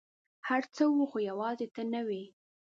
هر څه وه ، خو یوازي ته نه وې !